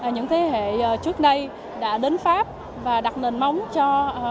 những thế hệ trước đây đã đến pháp và đặt nền móng cho